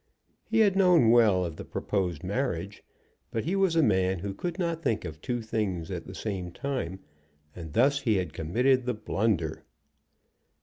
He had known well of the proposed marriage; but he was a man who could not think of two things at the same time, and thus had committed the blunder.